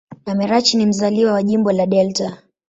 Amarachi ni mzaliwa wa Jimbo la Delta.